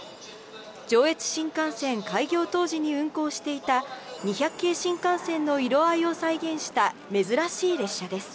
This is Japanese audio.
上越新幹線開業当時に運行していた、２００系新幹線の色合いを再現した珍しい列車です。